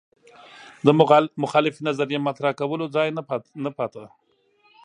د مخالفې نظریې مطرح کولو ځای نه پاتې